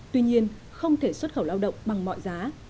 tuy nhiên không thể xuất khẩu lao động bằng mọi giá